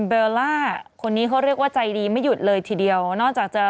เบลล่าคนนี้เขาเรียกว่าใจดีไม่หยุดเลยทีเดียวนอกจากจะ